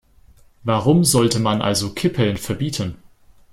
Warum sollte man also Kippeln verbieten?